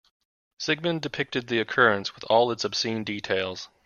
Sigmund depicted the occurrence with all its obscene details.